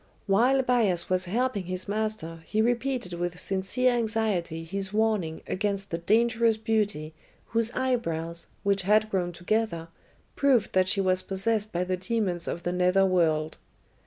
While Bias was helping his master he repeated with sincere anxiety his warning against the dangerous beauty whose eyebrows, which had grown together, proved that she was possessed by the demons of the nether world.